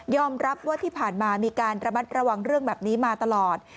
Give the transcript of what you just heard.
รับว่าที่ผ่านมามีการระมัดระวังเรื่องแบบนี้มาตลอด